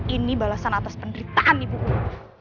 ini balasan atas penderitaan ibu ibu